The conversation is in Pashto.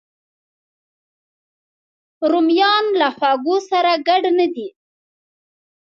رومیان له خوږو سره ګډ نه دي